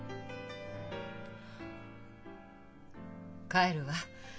帰るわ。